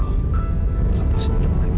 lepas ini budi